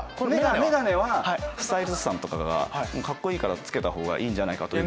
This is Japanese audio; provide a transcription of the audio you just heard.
眼鏡はスタイリストさんとかが「カッコいいからつけたほうがいいんじゃないか」という。